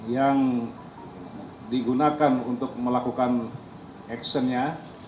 yang digunakan untuk melakukan actionnya